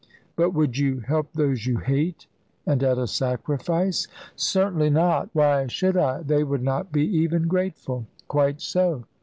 But would you help those you hate, and at a sacrifice?" "Certainly not. Why should I? They would not be even grateful." "Quite so.